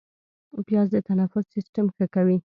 پیاز د تنفس سیستم ښه کوي